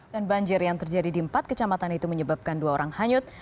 dan banjir yang terjadi di empat kecamatan itu menyebabkan dua orang hanyut